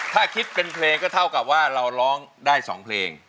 ถ้าคิดเป็นเพลงก็เท่ากับว่าเราร้องได้๒เพลง